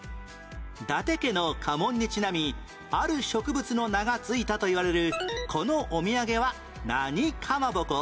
伊達家の家紋にちなみある植物の名が付いたといわれるこのお土産は何かまぼこ？